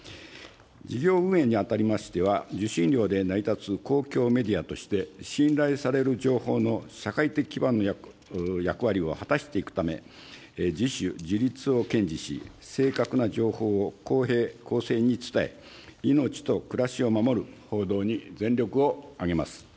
事業運営にあたりましては、受信料で成り立つ公共メディアとして、信頼される情報の社会的基盤の役割を果たしていくため、自主自律を堅持し、正確な情報を公平・公正に伝え、命と暮らしを守る報道に全力を挙げます。